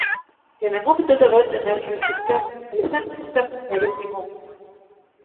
Яны могуць дадаваць энергію ў сістэму, але самі сістэму стварыць не могуць.